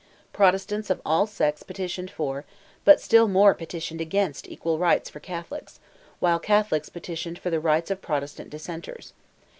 Protestants of all sects petitioned for, but still more petitioned against equal rights for Catholics; while Catholics petitioned for the rights of Protestant dissenters.